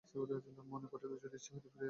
মনে করিল, যদি ইচ্ছা হয় তো ফিরিয়া আসিবে।